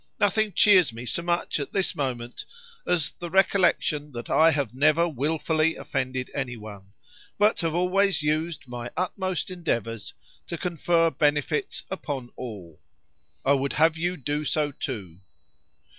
Nothing cheers me so much at this moment, as the recollection that I have never willfully offended anyone; but have always used my utmost endeavors to confer benefits upon all. I would have you do so too.